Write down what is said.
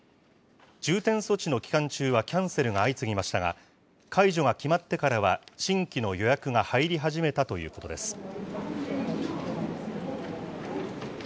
重点措置の期間中はキャンセルが相次ぎましたが、解除が決まってからは新規の予約が入り始めたということです。